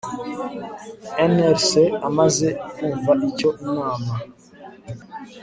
NLC amaze kwumva icyo Inama